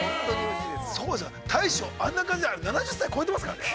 大将、あんな感じで７０歳超えてますからね。